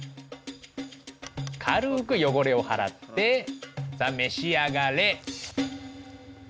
軽く汚れをはらってさあ召し上がれ。